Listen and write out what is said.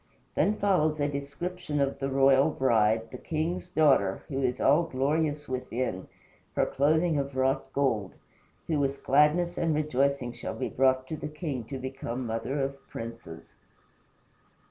Then follows a description of the royal bride, the king's daughter, who is all glorious within her clothing of wrought gold who with gladness and rejoicing shall be brought to the king to become mother of princes.